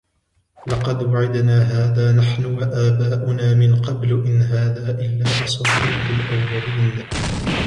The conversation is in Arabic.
لَقَدْ وُعِدْنَا هَذَا نَحْنُ وَآبَاؤُنَا مِنْ قَبْلُ إِنْ هَذَا إِلَّا أَسَاطِيرُ الْأَوَّلِينَ